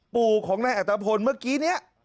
ปู่ของนายอัตภพลเมื่อกี้นี้